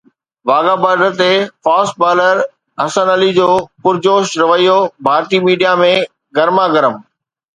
Wagah border تي fast bowler Hasan Ali جو پرجوش رويو ڀارتي ميڊيا ۾ گرما گرم